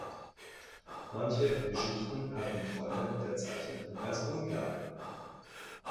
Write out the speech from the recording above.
Manche Geschichten hatten Träume der Zeichnerin als Grundlage.